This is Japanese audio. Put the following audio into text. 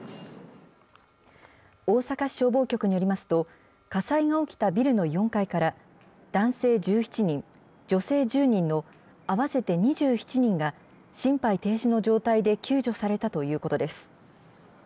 大阪市消防局によりますと、火災が起きたビルの４階から男性１７人、女性１０人の合わせて２７人が心肺停止の状態で救助されたということです。